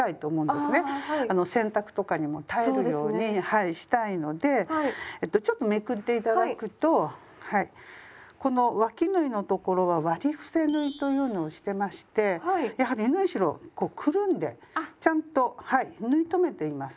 はいしたいのでちょっとめくって頂くとこのわき縫いの所は「割り伏せ縫い」というのをしてましてやはり縫い代をくるんでちゃんとはい縫い留めています。